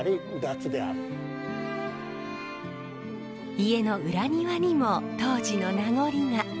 家の裏庭にも当時の名残が。